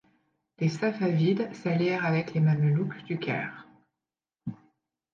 Les Safavides s’allièrent avec les Mamelouks du Caire.